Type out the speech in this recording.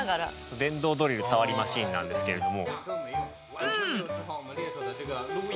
電動ドリル触りマシーンなんですけれども。